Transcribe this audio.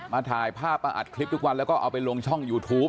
ถ่ายภาพมาอัดคลิปทุกวันแล้วก็เอาไปลงช่องยูทูป